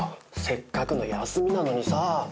せっかくの休みなのにさあ。